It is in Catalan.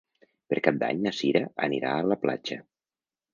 Per Cap d'Any na Sira anirà a la platja.